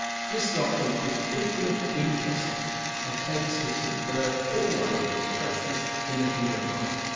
This doctrine is infinite injustice, and tends to subvert all ideas of justice in the human heart.